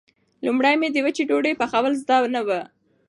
لومړی مې د وچې ډوډۍ پخول زده نه و.